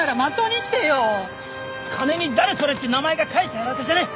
金に誰それって名前が書いてあるわけじゃねえ。